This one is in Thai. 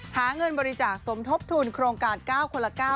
หาเงินบริจาคสมทบทุนโครงการ๙คนละ๙